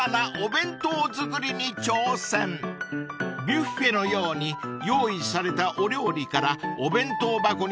［ビュッフェのように用意されたお料理からお弁当箱に詰めていきます。